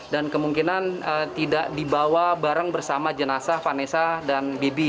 dan kemungkinan tidak dibawa bareng bersama jenasa vanessa dan bibi